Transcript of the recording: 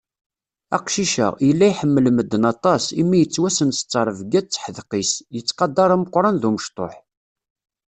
Aqcic-a, yella iḥemmel medden aṭaṣ, imi yettwassen s terbiyya d teḥdeq-is, yettqadaṛ ameqqṛan d umectuḥ.